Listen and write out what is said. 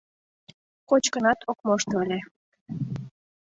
Кочкынат ок мошто ыле.